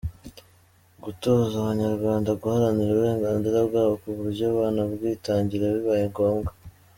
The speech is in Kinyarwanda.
– Gutoza Abanyarwanda guharanira uburenganzira bwabo ku buryo banabwitangira bibaye ngombwa